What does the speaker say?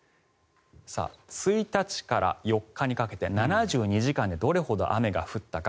１日から４日にかけて７２時間でどれほど雨が降ったか。